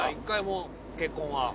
１回も結婚は。